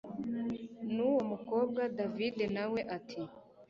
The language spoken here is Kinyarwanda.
nuwo mukobwa! davide nawe ati